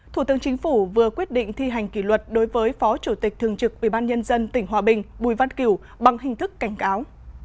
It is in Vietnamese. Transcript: thủ tướng chính phủ vừa quyết định thi hành kỷ luật đối với phó chủ tịch thường trực ubnd tỉnh hòa bình bùi văn kiểu bằng hình thức cảnh cáo